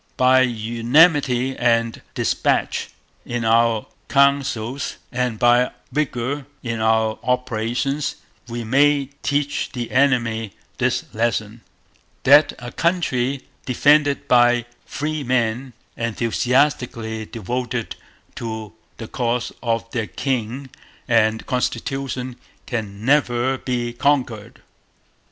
By unanimity and despatch in our councils and by vigour in our operations we may teach the enemy this lesson: That a country defended by free men, enthusiastically devoted to the cause of their King and Constitution, can never be conquered.'